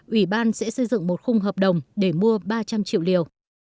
ủy ban sẽ xây dựng một khung hợp đồng để mua ba trăm linh triệu liều